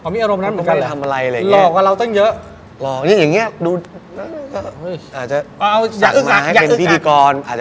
มีอารมณ์นั้นเหมือนกัน